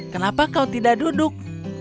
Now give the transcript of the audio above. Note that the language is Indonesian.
kenapa kau tidak duduk